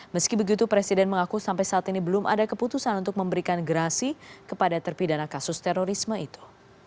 meski begitu presiden mengaku sampai saat ini belum ada keputusan untuk memberikan gerasi kepada terpidana kasus terorisme itu